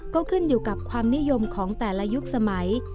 ก็ขึ้นอยู่กับความนิยมของแต่ละยุคสมัย